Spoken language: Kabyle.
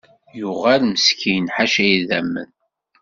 Yuɣal meskin ḥaca idamen.